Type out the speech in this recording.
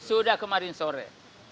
sudah kemarin sore